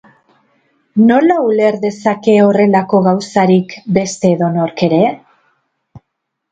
Nola uler dezake horrelako gauzarik beste edonork ere?